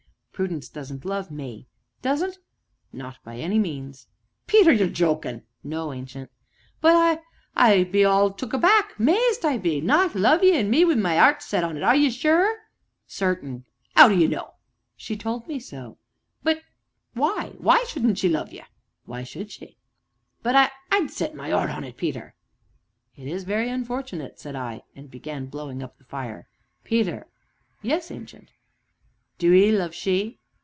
"Prudence doesn't love me!" "Doesn't " "Not by any means." "Peter ye're jokin'." "No, Ancient." "But I I be all took aback mazed I be not love ye, an' me wi' my 'eart set on it are ye sure?" "Certain." "'Ow d'ye know?" "She told me so." "But why why shouldn't she love ye?" "Why should she?" "But I I'd set my 'eart on it, Peter." "It is very unfortunate!" said I, and began blowing up the fire. "Peter." "Yes, Ancient?" "Do 'ee love she?"